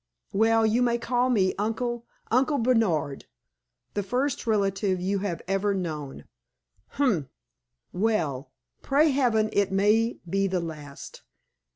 Well, you may call me uncle Uncle Bernard. The first relative you have ever known? Humph. Well, pray Heaven it may be the last.